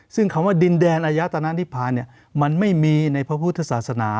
ซึ่งคำว่ามันไม่มีโภคภูทธสาสนา